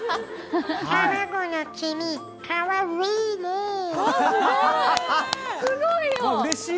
卵の黄身、かわうぃ